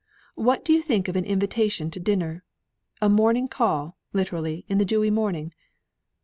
What do you think of an invitation to dinner? a morning call, literally in the dewy morning.